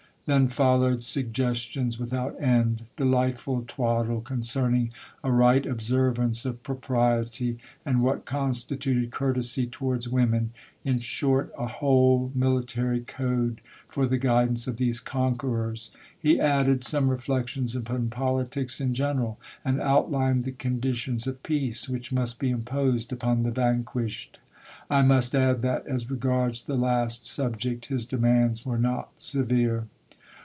Then followed sugges tions without end, delightful twaddle concerning a right observance of propriety, and what constituted courtesy towards women, — in short, a whole mili tary code for the guidance of these conquerors ; he added some reflections upon politics in general, and outlined the conditions of peace which must be imposed upon the vanquished. I must add that, as regards the last subject, his demands were not severe.